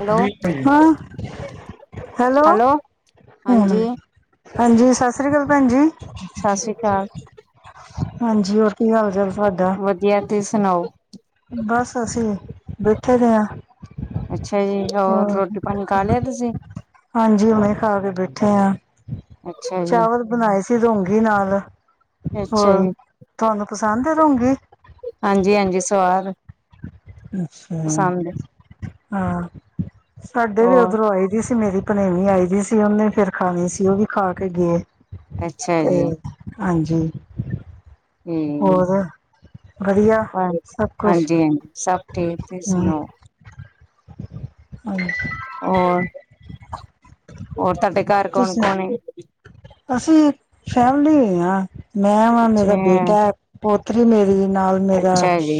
Hello, ਹਾਂ, hello. ਹਾਂਜੀ ਹਾਂਜੀ, ਸਤਿ ਸ੍ਰੀ ਅਕਾਲ ਭੈਣ ਜੀ। ਸਤਿ ਸ੍ਰੀ ਅਕਾਲ ਹਾਂਜੀ, ਹੋਰ ਕੀ ਹਾਲ- ਚਾਲ ਤੁਹਾਡਾ? ਤੇ ਸੁਣਾਓ? ਬਸ, ਅਸੀਂ ਬੈਠੇ ਪਏ ਹਾਂ। ਅੱਛਾ ਜੀ, ਹੋਰ ਰੋਟੀ, ਪਾਣੀ ਖਾ ਲਿਆ ਤੁਸੀਂ? ਹਾਂਜੀ, ਹੁਣੇ ਖਾ ਕੇ ਬੈਠੇ ਆ, ਅੱਛਾ ਜੀ, ਚਾਵਲ ਬਣਾਏ ਸੀ ਰੁੰਗੀ ਨਾਲ ਅੱਛਾ ਹੋਰ ਜੀ ਤੁਹਾਨੂੰ ਪਸੰਦ ਰੂੰਗੀ? ਹਾਂਜੀ- ਹਾਂਜੀ, ਸਵਾਦ। ਅੱਛਾ, ਪਸੰਦ ਹਾਂ। ਸਾਡੇ ਵੀ ਹੋਰ ਉਧਰੋਂ ਆਈ ਦੀ ਸੀ, ਮੇਰੀ ਭਣੇੇਵੀ ਆਈ ਦੀ ਸੀ, ਉਹਨੇ ਫਿਰ ਖਾਣੀ ਸੀ ਉਹ ਵੀ ਖਾ ਕੇ ਗਏ। ਅੱਛਾ ਤੇ ਜੀ। ਹਾਂਜੀ। ਹੂੰ ਹਾਂਜੀ। ਹੋਰ ਵਧੀਆ ਸਭ ਕੁਛ ਹਾਂਜੀ ਸਭ ਠੀਕ ਤੁਸੀਂ ਹਮ ਸੁਣਾਓ ਹਾਂ। ਹੋਰ ਹੋਰ ਤੁਹਾਡੇ ਘਰ ਕੌਣ ਤੁਸੀਂ ਕੌਣ? ਅਸੀਂ ਫੈਮਲੀ ਹਾਂ ਮੈਂ ਵਾਂ ਅੱਛਾ ਮੇਰਾ ਬੇਟਾ ਪੋਤਰੀ ਮੇਰੀ ਨਾਲ ਮੇਰਾ ਅੱਛਾ ਜੀ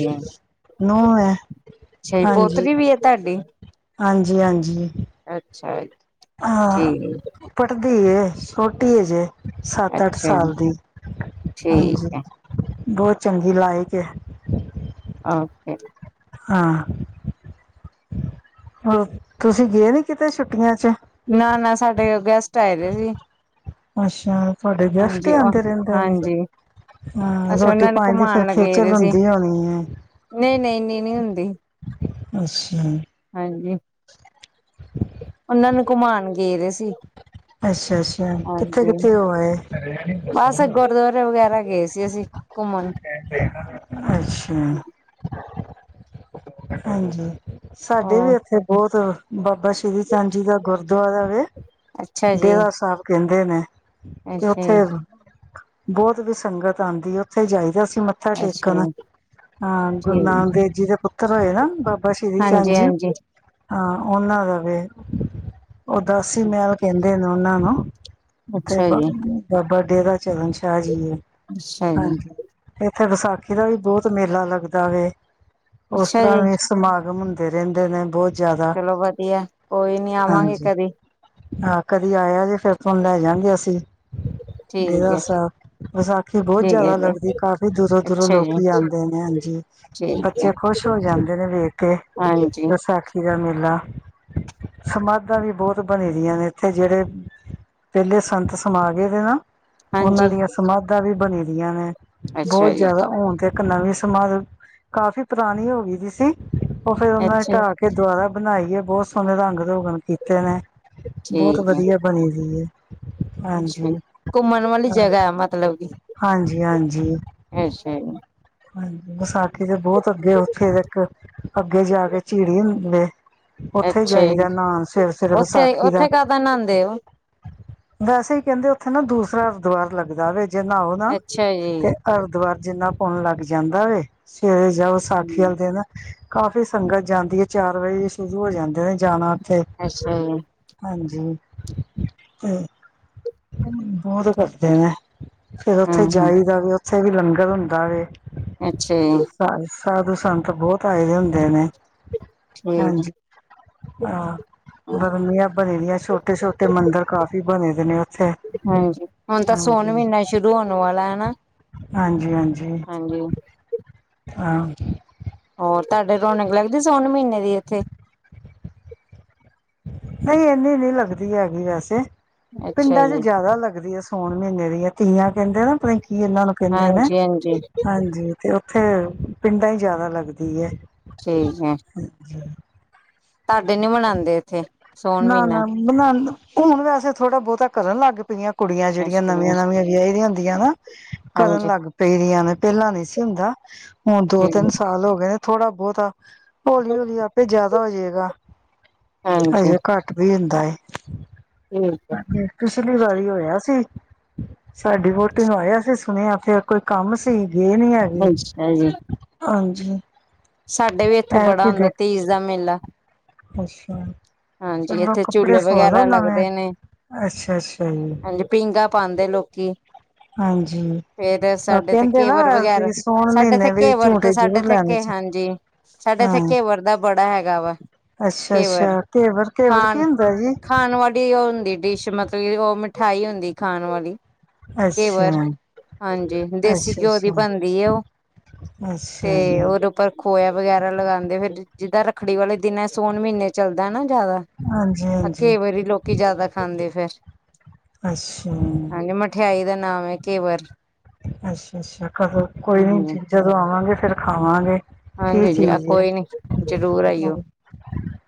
ਨੂੰਹ ਹੈ। ਅੱਛਾ ਜੀ, ਹਾਂਜੀ ਪੋਤਰੀ ਵੀ ਹੈ ਤੁਹਾਡੀ? ਹਾਂਜੀ -ਹਾਂਜੀ। [unintelligible] ਠੀਕ ਹਾਂ ਪੜ੍ਹਦੀ ਏ, ਸੋਟੀ ਹੈ ਹਜੇ। ਸੱਤ, ਅੱਠ ਅੱਛਾ ਜੀ ਸਾਲ ਦੀ ਠੀਕ ਹਾਂਜੀ। ਹੈ ਬਹੁਤ ਚੰਗੀ ਲਾਇਕ ਹੈ। ਓਕੇ। ਹਾਂ ਹੋ ਤੁਸੀਂ ਗਏ ਨੀ, ਕਿਤੇ ਛੁੱਟੀਆਂ ਚ? ਨਾ -ਨਾ, ਸਾਡੇ ਗੈਸਟ ਆਏ ਪਏ ਸੀ। ਅੱਛਾ, ਤੁਹਾਡੇ ਗੈਸਟ ਹੀ ਹਾਂਜੀ ਉਹ ਆਉਂਦੇ ਰਹਿੰਦੇ ਜੀ। ਹਾਂਜੀ ਹਾਂ, ਅਸੀਂ ਰੋਟੀ ਉਹਨਾਂ ਨੂੰ ਪਾਣੀ ਦੀ ਫਿਰ ਘੁਮਾਉਣ ਲਗੇ ਖੇਚਲ ਦੇ ਸੀ ਹੁੰਦੀ ਹੋਣੀ ਹੈ। ਨਹੀਂ ਨਹੀਂ ਨੀ ਨੀ ਹੁੰਦੀ ਅੱਛਾ। ਹਾਂਜੀ ਉਹਨਾਂ ਨੂੰ ਘੁੰਮਾਉਣ ਗਏ ਪਏ ਸੀ। ਅੱਛਾ ਅੱਛਾ ਕਿੱਥੇ ਹਾਂਜੀ, ਕਿੱਥੇ ਹੋ ਆਏ ਬਸ ਗੁਰਦੁਆਰੇ ਵਗੈਰਾ ਗਏ ਸੀ ਅਸੀਂ। ਘੁੰਮਣ। ਅੱਛਾ। ਹਾਂਜੀ, ਸਾਡੇ ਵੀ ਹੋਰ ਇੱਥੇ ਬਹੁਤ ਬਾਬਾ ਸ਼੍ਰੀ ਚੰਦ ਜੀ ਦਾ ਗੁਰਦੁਆਰਾ ਵੇ, ਅੱਛਾ ਜੀ ਡੇਰਾ ਸਾਹਿਬ ਕਹਿੰਦੇ ਨੇ ਤੇ ਅੱਛਾ ਜੀ ਉੱਥੇ ਬਹੁਤ ਵੀ ਸੰਗਤ ਆਉਂਦੀ ਉੱਥੇ ਜਾਈਦਾ ਸੀ। ਮੱਥਾ ਅੱਛਾ ਟੇਕਣ ਜੀ ਹਾਂ ਗੁਰੂ ਨਾਨਕ ਠੀਕ ਦੇਵ ਜੀ ਦੇ ਪੁੱਤਰ ਹੋਏ ਨਾ ਬਾਬਾ ਬਾਥਾ ਸ਼੍ਰੀ ਚੰਦ ਹਾਂਜੀ ਜੀ ਹਾਂਜੀ ਹਾਂ ਉਹਨਾਂ ਦਾ ਵੀ ਉਹਦਾਸੀ ਮਹਿਲ ਕਹਿੰਦੇ ਨੇ ਉਹਨਾਂ ਨੂੰ ਤੇ ਅੱਛਾ ਬ ਜੀ ਬਾਬਾ ਡੇਰਾ ਚਰਨ ਸ਼ਾਹ ਜੀ। ਅੱਛਾ ਜੀ। ਇਥੇ ਵਿਸਾਖੀ ਦਾ ਵੀ ਬਹੁਤ ਮੇਲਾ ਲੱਗਦਾ ਵ ਉਸ ਅੱਛਾ ਤਰ੍ਹਾਂ ਜੀ ਵੀ ਸਮਾਗਮ ਹੁੰਦਾ। ਰਹਿੰਦੇ ਨੇ ਬਹੁਤ ਜ਼ਿਆਦਾ ਚਲੋ ਵਧੀਆ ਕੋਈ ਨੀ ਆਵਾਂਗੇ ਹਾਂਜੀ ਕਦੀ। ਹਾਂ ਕਦੀ ਆਇਆ ਜੇ ਫੇਰ ਤੁਹਾਨੂੰ ਲੈ ਜਾਗੇ ਅਸੀਂ। ਠੀਕ ਡੇਰਾ ਹੈ ਸਾਹਿਬ ਵਿਸਾਖੀ ਬਹੁਤ ਠੀਕ ਹੈ ਜਿਆਦਾ ਜੀ ਲੱਗਦੀ ਕਾਫੀ ਦੂਰੋਂ ਦੂਰੋਂ ਅੱਛਾ ਜੀ ਲੋਕੀ ਆਉਂਦੇ ਨੇ ਹਾਂਜੀ ਠੀਕ ਹੈ ਬੱਚੇ ਖ਼ੁਸ਼ ਹੋ ਜਾਂਦੇ ਨੇ ਵੇਖ ਕੇ ਹਾਂਜੀ ਵਿਸਾਖੀ ਦਾ ਮੇਲਾ ਸਮਾਧਾਂ ਵੀ ਬਹੁਤ ਬਣੀ ਦੀਆਂ ਨੇ ਇੱਥੇ ਜਿਹੜੇ ਪਹਿਲੇ ਸੰਤ ਸਮਾ ਗਏ ਦੇ ਨਾ ਉਹਨਾਂ ਹਾਂਜੀ ਦੀਆਂ ਸਮਾਧਾਂ ਵੀ ਬਣੀ ਦੀਆਂ ਨੇ ਅੱਛਾ ਬਹੁਤ ਜੀ ਜ਼ਿਆਦਾ ਹੁਣ ਤੇ ਇੱਕ ਨਵੀਂ ਸਮਾਦ ਕਾਫ਼ੀ ਪੁਰਾਣੀ ਹੋ ਗਈ ਸੀ ਸੀ ਉਹ ਫੇਰ ਉਹਨਾ ਨੇ ਅੱਛਾ ਢਾਹ ਕੇ ਦੁਬਾਰਾ ਬਣਾਈਏ ਬਹੁਤ ਸੋਹਣੇ ਰੰਗ ਰੋਗਣ ਕੀਤੇ ਨੇ ਬਹੁਤ ਠੀਕ ਹੈ ਵਧੀਆ ਬਣੀ ਸੀ ਅੱਛਾ ਘੁੰਮਣ ਵਾਲੀ ਹਾਂ ਜਗ੍ਹਾ ਹੈ ਮਤਲਬ ਕਿ ਹਾਂਜੀ ਹਾਂਜੀ ਅੱਛਾ ਜੀ, ਹਾਂ ਵਿਸਾਖੀ ਦੇ ਬਹੁਤ ਅੱਗੇ ਉੱਥੇ ਇੱਕ ਅੱਗੇ ਜਾ ਕੇ ਝਿੜੀ ਲੇ ਉੱਥੇ ਅੱਛਾ ਜਾਈਦਾ ਜੀ, ਨਹਾਉਣ ਸਵੇਰੇ ਸਵੇਰੇ ਉੱਥੇ ਵਿਸਾਖੀ ਦਾ ਉੱਥੇ ਕਾਹਦਾ ਨਹਾਉਂਦੇ ਹੋ? ਵੈਸੇ ਹੀ ਕਹਿੰਦੇ ਉੱਥੇ ਨਾ ਦੂਸਰਾ ਹਰਿਦੁਆਰ ਲੱਗਦਾ ਜ ਨਓ ਨਾ ਅੱਛਾ ਜੀ। ਤੇ ਹਰਿਦੁਵਰ ਜਿੰਨਾ ਪੁਨ ਲੱਗ ਜਾਂਦਾ ਵ ਸਵੇਰੇ ਜਾਂ ਵਿਸਾਖੀ ਵਾਲੇ ਦਿਨ ਕਾਫੀ ਸੰਗਤ ਜਾਂਦੀ ਹੈ ਚਾਰ ਵਜੇ ਸ਼ੁਰੂ ਹੋ ਜਾਂਦੇ ਨੇ ਜਾਣਾ ਫ ਅੱਛਾ ਜੀ, ਹਾਂਜੀ ਤੇ ਬਹੁਤ ਕੱਟਦੇ ਨੇ ਫੇਿਰ ਉੱਥੇ ਹੂੰ-ਹੂੰ, ਜਾਈ ਦਾ ਵੀ ਉੱਥੇ ਵੀ ਲੰਗਰ ਹੁੰਦਾ ਵ ਅੱਛਾ ਸਾਧੂ ਸੰਤ ਬਹੁਤ ਆਏ ਦੇ ਹੁੰਦੇ ਨੇ ਹੂੰ ਹਾਂਜੀ ਹਾਂ ਬਰਮੀਆਂ [inaudible] ਛੋਟੇ, ਛੋਟੇ ਮੰਦਿਰ ਕਾਫੀ ਬਣੇ ਵੇ ਨੇ ਓਥੇ। ਹਾਂਜੀ। ਹੁਣ ਤਾ ਸੋਨ ਮਹੀਨਾ ਸ਼ੁਰੂ ਹੋਨ ਵਾਲਾ। ਹੈ ਨਾ, ਹਾਂਜੀ ਹਾਂਜੀ ਹਾਂਜੀ। ਹਾਂ ਹੋਰ ਤੁਹਾਡੇ ਰੌਣਕ ਲੱਗਦੀ ਸਾਉਣ ਮਹੀਨੇ ਦੀ ਇੱਥੇ ਨਹੀਂ ਇਨੀ ਨ ਲੱਗਦੀ ਹੈਗੀ ਵੈਸੇ ਅੱਛਾ ਪਿੰਡਾਂ ਜੀ, ਚ ਜਿਆਦਾ ਲੱਗਦੀ ਹੈ ਸਾਉਣ ਮਹੀਨੇ ਦੀਆਂ ਤੀਆਂ ਕਹਿੰਦੇ ਨਾ ਪਕੀ ਇਹਨਾਂ ਨੂੰ ਕਹਿੰਦੇ ਨੇ ਹਾਂਜੀ-ਹਾਂਜੀ, ਹਾਂਜੀ ਤੇ ਓਥੇ ਪਿੰਡਾਂ ਹੀ ਜ਼ਿਆਦਾ ਲੱਗਦੀ ਹੈ ਹਾਂਜੀ ਸਾਡੇ ਨੀ ਮਨਾਉਂਦੇ ਇੱਥੇ ਸੋਨ ਨਾ ਮਹੀਨਾ? ਨਾ ਹੁਣ ਵੈਸੇ ਥੋੜਾ ਬਹੁਤਾ ਕਰਨ ਲੱਗ ਪਈਆਂ ਕੁੜੀਆਂ ਜਿਹੜੀਆਂ ਅੱਛਾ ਨਵੀਆਂ ਜੀ, ਨਵੀਆਂ ਵਿਆਹੀ ਦੀਆਂ ਹੁੰਦੀਆਂ ਨਾ ਕਰਨ ਹਾਂਜੀ ਲੱਗ ਪਈ ਦੀਆਂ ਨੇ ਪਹਿਲਾਂ ਨਹੀਂ ਸੀ ਹੁੰਦਾ ਹੁਣ ਦੋ ਤਿੰਨ ਠੀਕ, ਸਾਲ ਹੋ ਗਏ ਨੇ ਥੋੜਾ ਬਹੁਤਾ ਹੌਲੀ ਹੌਲੀ ਆਪੇ ਜਿਆਦਾ ਹੋਜਏਗਾ ਹਾਂਜੀ ਹਜੇ ਘੱਟ ਵੀ ਹੁੰਦਾ ਠੀਕ ਹੈ, ਪਿਛਲੀ ਵਾਰੀ ਹੋਇਆ ਸੀ ਸਾਡੀ ਵੋਹਟੀ ਆਇਆ ਸੀ ਸੁਣਿਆ ਫੇਿਰ ਕੋਈ ਕੰਮ ਸੀ ਗਏ ਨੀ ਹੈਗੇ ਅੱਛਾ ਜੀ। ਹਾਂਜੀ ਸਾਡੇ ਵੀ ਇੱਥੇ ਬੜਾ ਐਤਕੀ ਹੁੰਦਾ ਦੇਖ ਤੀਜ ਦਾ ਮੇਲਾ ਅੱਛਾ ਹਾਂਜੀ ਚਲੋ ਇੱਥੇ ਕੱਪੜੇ ਝੂਲੇ ਸਆਲੋ ਵਗੈਰਾ ਨਵੇਂ ਲੱਗਦੇ ਨੇ ਅੱਛਾ ਅੱਛਾ ਹਾਂਜੀ ਪੀਂਘਾਂ ਜੀ ਪਾਉਂਦੇ ਲੋਕੀ ਹਾਂਜੀ ਫੇਰ ਸਾਡੇ ਇਥੇ ਕਹਿੰਦੇ ਨਾ ਕੇਵਰ ਵਗੈਰ ਵੀ ਸੋਣ ਸਾਡੇ ਇਥੇ ਮਹੀਨੇ ਵੀ ਕੇਵਰ ਝੂਟੇ ਸਾਡੇ ਜ਼ਰੂਰ ਇਥੇ ਲੈਣੇ ਕੇ ਚ ਹਾਂਜੀ ਸਾੇ ਐਥੇ ਘੇਵਰ ਦਾ ਬੜਾ ਹੈਗਾ ਵਾ। ਅਛਾ, ਅਛਾ ਘੇਵਰ ਘੇਵਰ-ਘੇਵਰ ਕੀ ਖਾਣ ਹੁੰਦਾ ਜੀ? ਖਾਣ ਵਾਲੀ ਉਹ ਹੁੰਦੀ ਡਿਸ਼ ਮਤਲਬ ਏ ਓ ਮਿਠਾਈ ਹੁੰਦੀ ਖਾਣ ਵਾਲੀ। ਅੱਛਾ ਘੇਵਰ ਹਾਂਜੀ ਦੇਸੀ ਅੱਛਾ ਘਿਓ ਦੀ ਅੱਛਾ ਬਣਦੀ ਆ ਓ। ਤੇ ਅੱਛਾ ਜੀ ਓਦੇ ਉੱਪਰ ਖੋਇਆ ਵਗੈਰਾ ਲਗਾਦੇਂ ਫੇਰ ਜਿੱਦਾਂ ਰੱਖੜੀ ਵਾਲੇ ਦਿਨ ਸੋਨ ਮਹੀਨੇ ਚੱਲਦਾ ਨਾ ਜ਼ਿਆਦਾ ਹਾਂਜੀ ਹਾਂਜੀ ਘੇਵਰ ਈ ਲੋਕੀ ਜ਼ਿਆਦਾ ਖਾਂਦੇ ਫੇਰ। ਅੱਛਾ। ਨਾਮ ਏ ਘੇਵਰ ਅੱਛਾ, ਅੱਛਾ ਕਦੋਂ ਕੋਈ ਨੀ, ਜਦੋਂ ਆਵਾਗੇ ਫੇਰ ਖਾਵਾਂਗੇ। ਕੀ ਹਾਂਜੀ ਜੀ ਚੀਜ਼ ਐ? ਕੋਈ ਨੀ ਜ਼ਰੂਰ ਆਈਓ [unintelligible]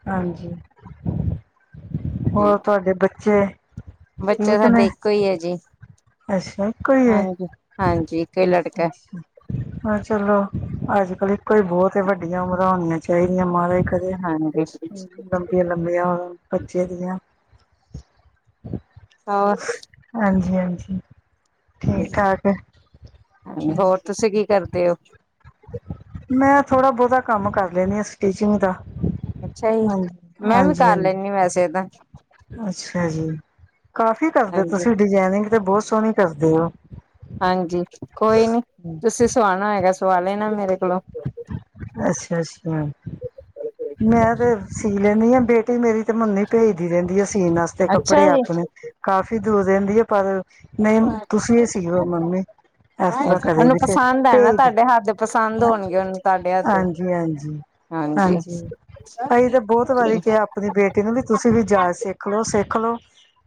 ਹਾਂਜੀ ਹੋਰ ਤੁਹਾਡੇ ਬੱਚੇ? ਬੱਚਾ ਠੀਕ ਨੇ ਸਾਡੇ ਇੱਕੋ ਐ ਜੀ। ਅੱਛਾ ਇਕੋ ਈ ਐ। ਹਾਂਜੀ ਹਾਂਜੀ ਇੱਕੋ ਹੀ ਅੱਛਾ ਲੜਕਾ ਜੀ, ਹਾ ਚਲੋ ਅੱਜ-ਕੱਲ ਕੋਈ ਬੋਤ ਈ ਵੱਡੀਆਂ ਉਮਰਾਂ ਹੋਣੀਆਂ ਚਾਹੀਦੀਆਂ ਕਦੇ ਹਾਂਜੀ ਲੰਬੀਆਂ, ਲੰਬੀਆਂ ਬੱਚੇ ਦੀਆਂ ਹਾਂ ਜੀ ਹਾਂਜੀ। ਠੀਕ ਠਾਕ ਹਾਂਜੀ। ਹੋਰ ਤੁਸੀਂ ਕੀ ਕਰਦੇ ਓ? ਮੈਂ ਥੋੜ੍ਹਾ ਬਹੁਤਾ ਕੰਮ ਕਰ ਲੈਂਦੀ ਆ ਸਟੀਚਿੰਗ ਦਾ। ਅੱਛਾ ਜੀ, ਹਾਂਜੀ ਮੈਂ ਵੀ ਹਾਂਜੀ ਕਰ ਹਾਂਜੀ ਲੈਂਦੀ ਆ ਵੈਸੇ ਤਾ। ਅੱਛਾ ਜੀ, ਕਾਫੀ ਕਰਦੇ ਹਾਂਜੀ ਤੁਸੀਂ ਡਿਜਾਇਨਿੰਗ ਤੇ ਬਹੁਤ ਸੋਹਣੀ ਕਰਦੇ [inaudible] ਹਾਂਜੀ ਕੋਈ ਨੀ ਤੁਸੀਂ ਸਵਾਣਾ ਹੈਗਾ ਸਵਾ ਲੈਣਾ ਮੇਰੇ ਕੋਲੋਂ ਅੱਛਾ, ਅੱਛਾ ਮੈਂ ਤੇ ਸੀ। ਲੈਂਦੀ ਹ ਬੇਟੀ ਮੇਰੀ ਤੇ ਮੰਨੀ ਭੇਜਦੀ ਰਹਿੰਦੀ ਆ। ਚੀਨ ਵਾਸਤੇ ਅੱਛਾ ਕੱਪੜੇ ਜੀ ਆਪਣੇ ਕਾਫੀ ਦੂਰ ਰਹਿੰਦੀ ਆ, ਪਰ ਨਹੀਂ ਤੁਸੀਂ ਇਹ ਸੀ ਮੰਮੀ ਏਸ ਤਰ੍ਹਾਂ ਕਦੇ ਉਹਨੂੰ ਵੀਛੇ ਪਸੰਦ ਹੈ ਨਾ ਢੈਲ ਤੇੇ ਤੁਹਾਡੇ ਹੱਥ ਦੇ ਪਸੰਦ ਹੋਣਗੇ ਉਹਨੂੰ ਤੁਹਾਡੇ ਹੱਥ ਦੇ ਹਾਂਜੀ ਹਾਂਜੀ ਹਾਂਜੀ ਭਾਈ ਤਾਂ ਬਹੁਤ ਵਾਰੀ ਕਿਹਾ ਆਪਣੀ ਬੇਟੀ ਨੂੰ ਵੀ ਤੁਸੀਂ ਵੀ ਜਾਚ ਸਿੱਖ ਲਓ ਸਿੱਖ ਲਓ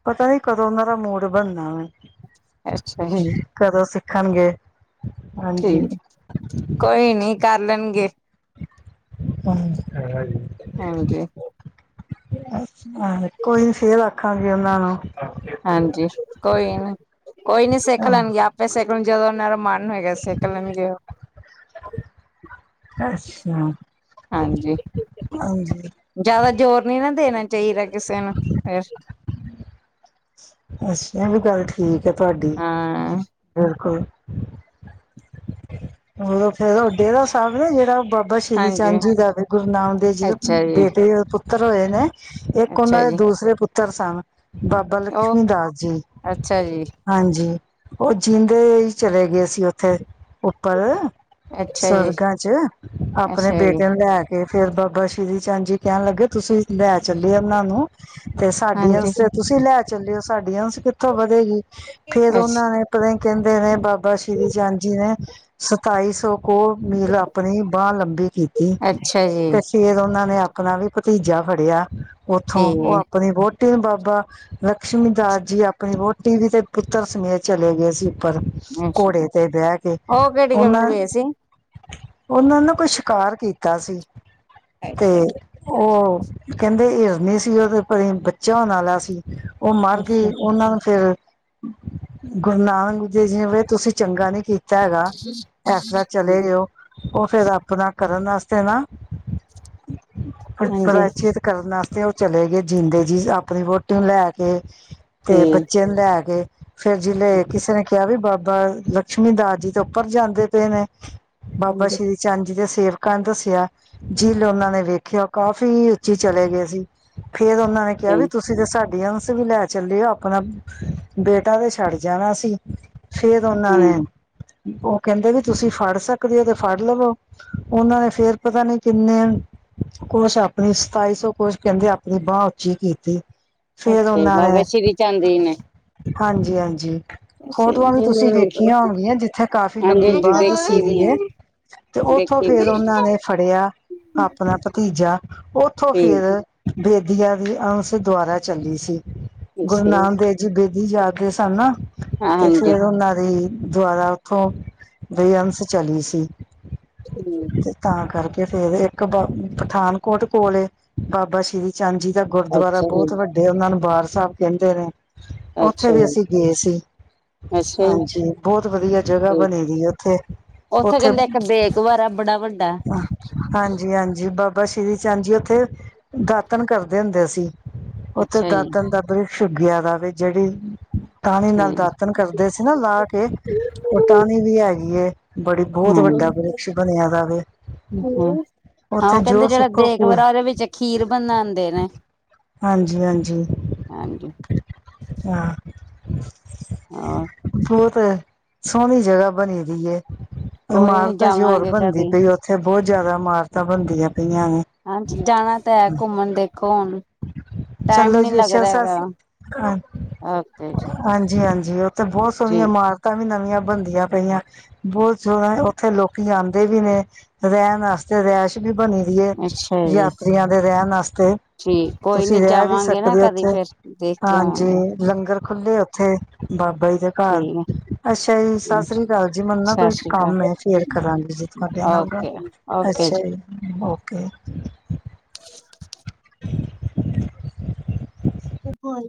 ਪਤਾ ਏ ਕਦੋਂ ਮੇਰਾ ਮੂਡ ਬਣਨਾ ਵਾ। ਅੱਛਾ ਜੀ। ਖਾਣਗੇ ਠੀਕ, ਕੋਈ ਨੀ ਕਰ ਲੈਨਗੇ। [unintelligible] ਹਾਂਜੀ, ਅੱ ਕੋਈ ਨੀ ਫੇਰ ਆਖਾਂਗੀ ਉਹਨਾਂ ਨੂੰ। ਹਾਂਜੀ ਕੋਈ ਨੀ ਕੋਈ ਨੀ ਸਿੱਖ ਹਾਂ ਲੈਣਗੇ ਆਪੇ ਸਿੱਖ ਜਿਆਦਾ ਓਨਾਂ ਦਾ ਮਨ ਹੋਗਾ ਸਿਖ ਲੇਣਗੇ। ਅੱਛਾ ਹਾਂਜੀ ਹਾਂਜੀ ਜਿਆਦਾ ਜ਼ੋਰ ਨਈ ਨਾ ਦੇਣਾ। ਚਹੀਰ ਕਿਸੇ ਨੂੰ ਫਰ ਅੱਛਾ, ਏ ਵੀ ਗੱਲ ਠੀਕ ਆ ਤੁਆਡੀ। ਹਾਂ ਬਿਲਕੁਲ। ਮਤਲਬ ਫੇਰ ਡੇਰਾ ਸਾਬ੍ਹ ਨੀ ਜਿਹੜਾ ਬਾਬਾ ਸ਼੍ਰੀ ਹਾਂਜੀ। ਚੰਦ ਜੀ ਦਾ, ਵੀ ਗੁਰੂ ਨਾਨਕ ਦੇਵ ਜੀ ਅੱਛਾ ਜੀ, ਬੇਟੇ ਪੁੱਤਰ ਹੋਏ ਨੇ ਇੱਕ ਓਨਾਂ ਅੱਛਾ ਦੇ ਜੀ ਦੂਸਰੇ ਪੁੱਤਰ ਸਨ। ਬਾਬਾ ਉਹ ਲਕਸ਼ਮੀ ਦਾਸ ਜੀ, ਅੱਛਾ ਜੀ। ਹਾਂਜੀ। ਉਹ ਜੀਂਦੇ ਈ ਚਲੇ ਗਏ ਸੀ ਉੱਥੇ ਉੱਪਰ ਅੱਛਾ ਜੀ, ਸਵਰਗਾਂ 'ਚ ਆਪਣੇ ਅੱਛਾ ਜੀ ਬੇਟੇ ਨੂੰ ਲੈ ਕੇ ਫਿਰ ਬਾਬਾ ਸ਼੍ਰੀ ਚੰਦ ਜੀ ਕਹਿਣ ਲੱਗੇ ਤੁਸੀਂ ਲੈ ਚੱਲੇ ਉਹਨਾਂ ਨੂੰ ਤੇ ਸਾਡੀ ਹਾਂਜੀ ਅੰਸ ਤੇ ਤੁਸੀਂ ਲੈ ਚੱਲਿਓ ਸਾਡੀ ਅੰਸ ਕਿੱਥੋਂ ਵਧੀ ਕਹਿੰਦੇ ਫੇਰ ਅੱਛਾ ਉਹਨਾ ਨੇ ਪਤਾ ਕਹਿੰਦੇ ਨੇ ਬਾਬਾ ਸ਼੍ਰੀ ਚੰਦ ਜੀ ਨੇ ਸਤਾਈ ਸੌ ਕੋ ਮੀਲ ਆਪਣੀ ਬਾਂਹ ਲੰਬੀ ਕੀਤੀ ਅੱਛਾ ਜੀ ਤੇ ਫਿਰ ਉਹਨਾਂ ਨੇ ਆਪਣਾ ਵੀ ਭਤੀਜਾ ਫੜਿਆ ਉੱਥੋਂ ਠੀਕ ਉਹ ਹੈ ਆਪਣੀ ਬਹੁਤ ਤੇ ਬਾਬਾ ਲਕਸ਼ਮੀ ਦਾਸ ਜੀ ਆਪਣੀ ਵਹੁਟੀ ਵੀ ਤੇ ਪੁੱਤਰ ਸਮੇਤ ਚਲੇ ਗਏ ਸੀ ਉੱਪਰ ਘੋੜੇ ਤੇ ਬਹਿ ਕੇ ਕਿਸ ਗੱਲੋਂ ਉਹਨਾਂ ਗਏ ਸੀ ਉਹਨਾਂ ਨੂੰ ਕੋਈ ਸ਼ਿਕਾਰ ਕੀਤਾ ਸੀ। ਤੇ ਅੱਛਾ ਉਹ ਕਹਿੰਦੇ ਹਿਰਨੀ ਸੀ ਉਹਦੇ ਪਤਾ ਬੱਚਾ ਹੋਣ ਵਾਲਾ ਸੀ। ਉਹ ਮਰ ਅੱਛਾ ਗਈ ਉਹਨਾਂ ਨੂੰ ਫਿਰ- ਗੁਰੂ ਨਾਨਕ ਦੇਵ ਜੀ ਨੇ ਤੁਸੀਂ ਚੰਗਾ ਨੀ ਕੀਤਾ ਹੈਗਾ ਇਸ ਤਰ੍ਹਾਂ ਚਲੇ ਹਾਂਜੀ ਠੀਕ ਜਾਓ ਉਹ ਫਿਰ ਆਪਣਾ ਕਰਨ ਵਾਸਤੇ ਨਾ ਹਾਂਜੀ ਪ੍ਰਚਿਤ ਕਰਨ ਵਾਸਤੇ ਉਹ ਚਲੇ ਗਏ ਜੀਂਦੇ ਜੀ ਆਪਣੀ ਵੋਟੀ ਨੂੰ ਲੈ ਕੇ ਤੇ ਬੱਚੇ ਨੂੰ ਲੈ ਕੇ ਫੇਰ ਜਿਲੇ ਕਿਸੇ ਨੇ ਕਿਹਾ ਵੀ ਬਾਬਾ ਬਾਬਾ ਲਕਸ਼ਮੀ ਦਾਸ ਜੀ ਤੋਂ ਉੱਪਰ ਜਾਂਦੇ ਪਏ ਨੇ ਬਾਬਾ ਸ਼੍ਰੀ ਚੰਦ ਜੀ ਦੇ ਸੇਵਕਾਂ ਨੇ ਦੱਸਿਆ ਜੀਲ ਉਹਨਾਂ ਨੇ ਵੇਖਿਆ ਉਹ ਕਾਫੀ ਉੱਚੀ ਚਲੇ ਗਏ ਸੀ। ਫੇਰ ਉਹਨਾ ਨੇ ਕਿਹਾ ਵੀ ਤੁਸੀਂ ਤੇ ਸਾਡੇ ਤੁਸੀ ਵੀ ਲੈ ਚੱਲੇਓ ਆਪਣਾ ਬੇਟਾ ਤੇ ਛੱਡ ਜਾਣਾ ਸੀ। ਫੇਰ ਉਹਨਾਂ ਨੇ ਹੂੰ ਕਹਿੰਦੇ ਵੀ ਤੁਸੀਂ ਫੜ ਸਕਦੇ ਹੋ ਤੇ ਫੜ ਲਵੋ ਉਹਨਾਂ ਨੇ ਫੇਰ ਪਤਾ ਨੀ ਕਿੰਨੇ ਕੁਛ ਆਪਣੀ ਸਤਾਈ ਸੌ ਕੁਛ ਕਹਿੰਦੇ ਆਪਣੀ ਬਾਂਹ ਉੱਚੀ ਕੀਤੀ। ਫੇਰ ਅੱਛਾ ਜੀ ਬਾਬਾ ਸ੍ਰੀ ਚੰਦ ਜੀ ਨੇ ਹਾਂਜੀ, ਹਾਂਜੀ ਫੋਟੋਆਂ ਵੀ ਹਾਂਜੀ ਤੁਸੀਂ ਵੇਖੀਆਂ ਹੋਣਗੀਆਂ ਜਿੱਥੇ ਕਾਫੀ ਲੰਬੀ ਹਾਂਜੀ ਬਾਂਹ ਦੱਸੀ ਦੇਖੀ ਵੀ ਗਈ ਏ ਹੈ ਤੇ ਉੱਥੋਂ ਦੇਖੀ ਫੇਰ ਵੀ ਹੈ ਉਹਨਾਂ ਨੇ ਫੜਿਆ ਆਪਣਾ ਪਤਾ ਤੀਜਾ ਉੱਥੋਂ ਫਿਰ ਠੀਕ ਬੇਦੀਆ ਦੀ ਅੰਸ ਦੁਆਰਾ ਚੱਲੀ ਸੀ। ਗੁਰੂ ਨਾਨਕ ਦੇਵ ਜੀ ਬੇਦੀ ਜਾਤ ਦੇ ਸਨ ਤੇ ਹਾਂਜੀ ਫੇਰ ਉਹਨਾਂ ਦੀ ਦੁਆਰਾ ਉੱਥੋਂ ਬੇਅੰਸ ਚਲੀ ਸੀ ਤੇ ਤਾਂ ਕਰਕੇ ਤੇ ਫੇਰ ਇੱਕ ਬ ਪਠਾਨਕੋਟ ਕੋਲ ਏ ਬਾਬਾ ਸ਼੍ਰੀ ਚੰਦ ਜੀ। ਗੁਰਦੁਆਰਾ ਅੱਛਾ ਬਹੁਤ ਜੀ ਵੱਡੇ ਉਹਨਾਂ ਨੂੰ ਬਾਰ ਸਾਹਿਬ ਕਹਿੰਦੇ ਨੇ ਉੱਥੇ ਅੱਛਾ ਵੀ ਜੀ ਅਸੀਂ ਗਏ ਸੀ, ਅੱਛਾ ਜੀ ਹਾਂਜੀ ਬਹੁਤ ਵਧੀਆ ਜਗ੍ਹਾ ਠੀਕ ਬਣੀ ਉੱਥੇ, ਉੱਥੇ ਉਥੇ, ਕਹਿੰਦੇ ਇੱਕ ਦੇਗਵਰ ਆ ਬੜਾ ਵੱਡਾ ਹਾਂਜੀ, ਹਾਂਜੀ ਬਾਬਾ ਸ਼੍ਰੀ ਚੰਦ ਜੀ ਉੱਥੇ ਦਾਤਨ ਕਰਦੇ ਹੁੰਦੇ ਸੀ। ਉੱਥੇ ਅੱਛਾ ਜੀ ਦਾਤਨ ਦਾ ਬ੍ਰਕਸ਼ ਊਗਿਆ ਦਾ ਵੇ ਜੇਹੜੀ ਪਾਣੀ ਨਾਲ ਠੀਕ ਦਾਤਣ ਕਰਦੇ ਸੀ ਨਾ ਲਾ ਕੇ ਟਾਹਣੀ ਵੀ ਹੈਗੀ ਏ ਬੜੀ ਬਹੁਤ ਵੱਡਾ ਹਾਂਜੀ ਵ੍ਰਿਸ਼ ਬਣਿਆ ਦਾ ਵੇ ਹਾਂ ਉੱਥੇ ਉਹ ਜੋ ਕਹਿੰਦੇ ਜਿਹੜਾ ਸੁੱਖੋ ਪੁ ਦੇਖਭਰਾ ਉਹਦੇ ਵਿੱਚ ਖੀਰ ਬਣਉਂਦੇ ਨੇ ਹਾਂਜੀ, ਹਾਂਜੀ ਹਾਂਜੀ ਹਾਂ। ਹੋਰ ਬਹੁਤ ਸੋਹਣੀ ਜਗ੍ਹਾ ਬਣੀ ਦੀ ਏ ਕੋਈ ਨੀ ਇਮਾਰਤ ਜ ਹੋਰ ਜਾਵਾਂਗੇ ਬਣਦੀ ਕਦੀ ਪਈ ਉੱਥੇ ਬਹੁਤ ਜਿਆਦਾ ਇਮਾਰਤਾਂ ਬਣਦੀਆਂ ਪਈਆਂ ਨੇ ਹਾਂਜੀ ਜਾਣਾ ਤਾਂ ਹੈ ਘੁੰਮਣ ਦੇਖੋ ਹੁਣ ਟਾਈਮ ਚਲੋ ਨੀ ਜੀ ਅੱਛਾ ਲੱਗਦਾ ਸਤਿ ਹੈਗਾ ਸ੍ਰੀ ਅਕਾਲ ਓਕੇ ਜੀ ਹਾਜੀ, ਹਾਂਜੀ ਜੀ ਉੱਥੇ ਬਹੁਤ ਸੋਹਣੀਆਂ ਠੀਕ ਇਮਾਰਤਾਂ ਵੀ ਨਵੀਆਂ ਬਣਦੀਆਂ ਪਈਆਂ ਬਹੁਤ ਸੋਹਾਂ ਉੱਥੇ ਲੋਕੀ ਆਉਂਦੇ ਵੀ ਨੇ ਰਹਿਣ ਵਾਸਤੇ ਰੈਸ਼ ਵੀ ਬਣੀ ਦੀ ਏ ਅੱਛਾ ਜੀ ਯਾਤਰੀਆਂ ਦੇ ਰਹਿਣ ਵਾਸਤੇ ਠੀਕ ਕੋਈ ਤੁਸੀਂ ਨੀ ਰਹਿ ਵੀ ਜਾਵਾਂਗੇ ਨਾ ਸਕਦੇ ਹੋ ਕਦੀ ਉੱਥੇ ਫੇਰ ਦੇਖ ਕੇ ਹਾਂਜੀ ਆਵਾਂਗੇ ਲੰਗਰ ਖੁੱਲੇ ਉੱਥੇ ਬਾਬਾ ਜੀ ਦੇ ਘਰ ਠੀਕ ਅੱਛਾ ਹੈ। ਸਤਿ ਸ੍ਰੀ ਅਕਾਲ ਜੀ ਮੈਨੂੰ ਨਾ ਸਤਿ ਕੋਈ ਸ੍ਰੀ ਕੰਮ ਹੈ ਅਕਾਲ ਫੇਰ ਕਰਾਂਗੀ ਜੀ ਤੁਹਾਡੇ ਨਾਲ ਗਲ ਓਕੇ ਓਕੇ ਅੱਛਾ ਜੀ ਓਕੇ। [inaudible] ਤੇ ਬਲ